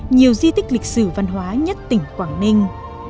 nhiều di tích lịch sử văn hóa nhất tỉnh quảng ninh